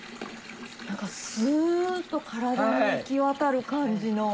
何かすっと体に行き渡る感じの。